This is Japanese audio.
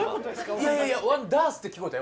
いやいや１ダースって聞こえたよ